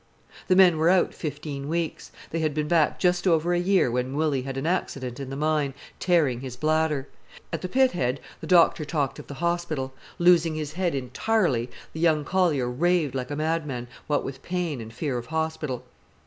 The men were out fifteen weeks. They had been back just over a year when Willy had an accident in the mine, tearing his bladder. At the pit head the doctor talked of the hospital. Losing his head entirely, the young collier raved like a madman, what with pain and fear of hospital.